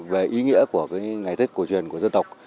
về ý nghĩa của ngày tết của truyền của dư tộc